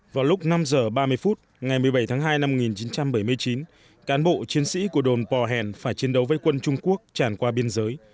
vào lúc năm h ba mươi phút ngày một mươi bảy tháng hai năm một nghìn chín trăm bảy mươi chín cán bộ chiến sĩ của đồn pò hèn phải chiến đấu với quân trung quốc tràn qua biên giới